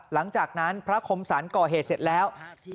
หลังจากนั้นพระคมสรรก่อเหตุเสร็จแล้ว